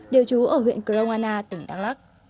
đều trú ở huyện cromana tỉnh đắk lắc